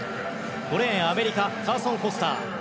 ５レーン、アメリカカーソン・フォスター。